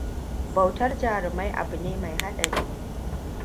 Bautar jarumai abu ne mai haɗari.